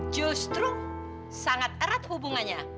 justru sangat erat hubungannya